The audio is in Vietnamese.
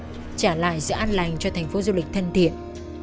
trả lại sự an lành cho thành phố du lịch thân thiện